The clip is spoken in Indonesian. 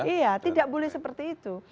iya tidak boleh seperti itu